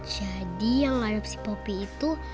jadi yang ngarep si popi itu